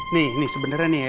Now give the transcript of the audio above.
nih nih sebenernya nih ya